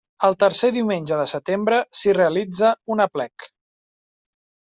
El tercer diumenge de setembre s'hi realitza un aplec.